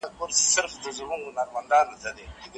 له مرغکیو به وي هیري مورنۍ سندري